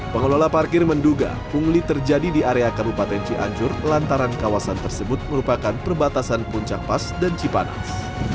pengelola parkir menduga pungli terjadi di area kabupaten cianjur lantaran kawasan tersebut merupakan perbatasan puncak pas dan cipanas